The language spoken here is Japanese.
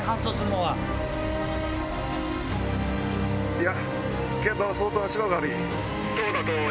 いや。